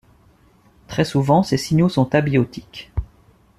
Très souvent, ces signaux sont abiotiques.